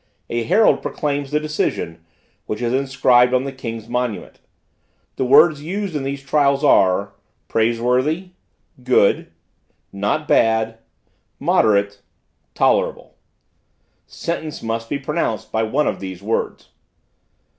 A herald proclaims the decision, which is inscribed on the king's monument. The words used in these trials are: Praiseworthy, good, not bad, moderate, tolerable. Sentence must be pronounced by one of these words.